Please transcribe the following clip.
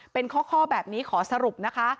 เป็นข้อแบบนี้ขอสรุปนะคะ